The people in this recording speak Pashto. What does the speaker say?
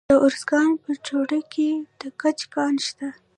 د ارزګان په چوره کې د ګچ کان شته.